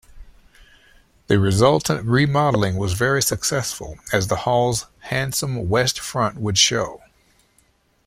The resultant remodelling was very successful, as the Hall's handsome west front would show.